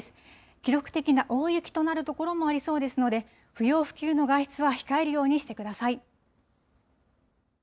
記録的な大雪となる所もありそうですので、不要不急の外出は控えるようにしてください。